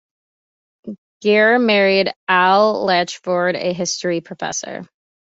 Geri married Al Latchford, a history professor.